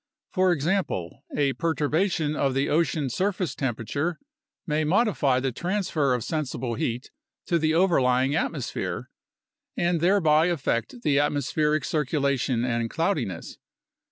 For example, a perturbation of the ocean surface temperature may modify the transfer of sensible heat to the overlying atmosphere, and thereby affect the atmospheric circulation and cloudiness.